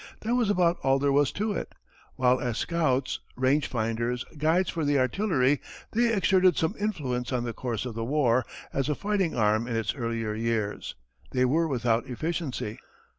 That was about all there was to it. While as scouts, range finders, guides for the artillery, they exerted some influence on the course of the war, as a fighting arm in its earlier years, they were without efficiency.